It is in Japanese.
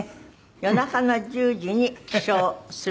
夜中の１０時に起床するという。